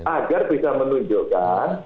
agar bisa menunjukkan